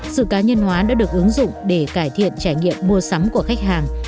sự cá nhân hóa đã được ứng dụng để cải thiện trải nghiệm mua sắm của khách hàng